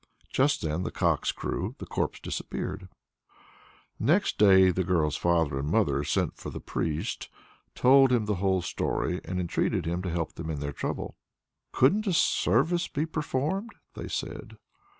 Just then the cocks crew. The corpse disappeared. Next day the girl's father and mother sent for the priest, told him the whole story, and entreated him to help them in their trouble. "Couldn't a service be performed?" they said.